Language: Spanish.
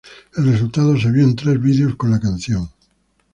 El resultado se vio en tres videos con la canción.